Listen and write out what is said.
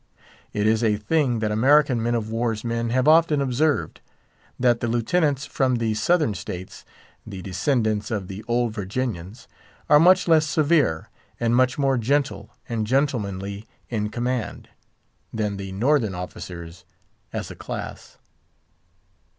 It is a thing that American men of war's men have often observed, that the Lieutenants from the Southern States, the descendants of the old Virginians, are much less severe, and much more gentle and gentlemanly in command, than the Northern officers, as a class.